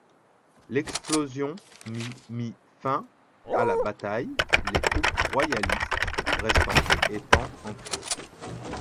L'explosion mit mis fin à la bataille, les troupes royalistes restantes étant en fuite.